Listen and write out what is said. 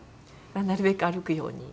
なるべく歩くように。